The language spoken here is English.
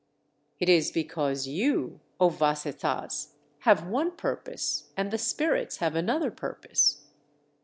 "It is because you, O Vasetthas, have one purpose and the spirits have another purpose."